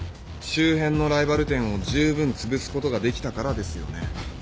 周辺のライバル店をじゅうぶんつぶすことができたからですよね？